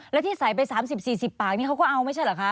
แล้วที่ใส่ไป๓๐๔๐ปากนี่เขาก็เอาไม่ใช่เหรอคะ